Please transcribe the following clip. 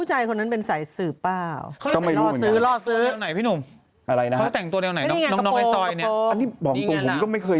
หลุดออกมาก็ตำรวจไปแล้วก็ลงพื้นที่กันมาเลย